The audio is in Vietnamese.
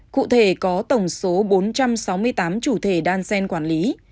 cụ thể có tổng số bốn trăm sáu mươi tám chủ thể đan sen quản lý